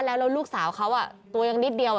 แล้วลูกสาวเขาตัวยังนิดเดียว